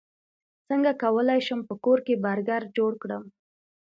څنګه کولی شم په کور کې برګر جوړ کړم